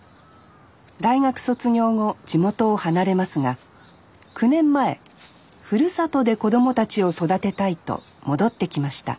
大学卒業後地元を離れますが９年前ふるさとで子供たちを育てたいと戻ってきました